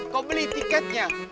kau beli tiketnya